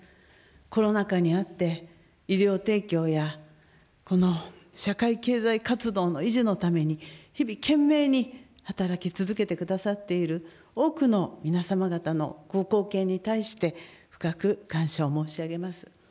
コロナ禍にあって、医療提供や、この社会経済活動の維持のために、日々懸命に働き続けてくださっている多くの皆様方のご貢献に対して、深く感謝を申し上げます。